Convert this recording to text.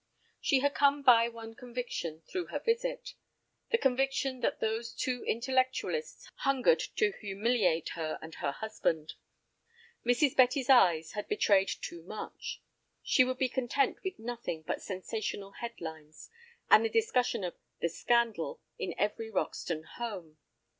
She had come by one conviction through her visit, the conviction that those two intellectualists hungered to humiliate her and her husband. Mrs. Betty's eyes had betrayed too much. She would be content with nothing but sensational head lines, and the discussion of "the scandal" in every Roxton home.